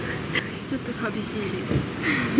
ちょっと寂しいです。